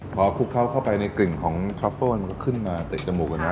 พอคลุกเข้าเข้าไปในกลิ่นของทรัฟเฟิลมันก็ขึ้นมาเตะจมูกกันนะ